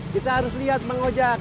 kita harus lihat bang ojak